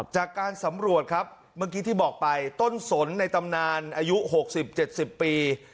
จากการสำรวจครับเมื่อกี้ที่บอกไปต้นสนในตำนานอายุ๖๐๗๐ปี